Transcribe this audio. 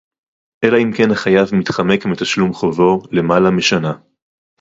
אלא אם כן החייב מתחמק מתשלום חובו למעלה משנה